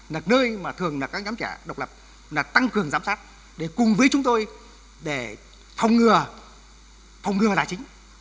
nhưng mà thường là các nhóm trẻ độc lập là tăng cường giám sát để cùng với chúng tôi để phòng ngừa phòng ngừa là chính